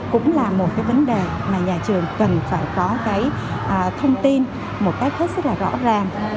cũng là một cái vấn đề mà nhà trường cần phải có cái thông tin một cách hết sức là rõ ràng